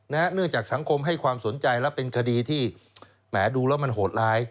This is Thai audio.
เนื่องจากสังคมให้ความสนใจและเป็นคดีที่แหมดูแล้วมันโหดร้าย